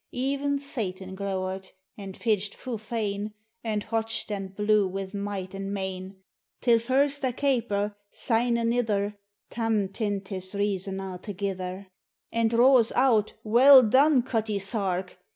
Ev'n Satan glowered, and fidged fu' fain, And botched and blew wi' might and main ; Till first ae caper, syne anither, — Tarn tint his reason a' thegither, And roars out, " Weel done, Cutty sark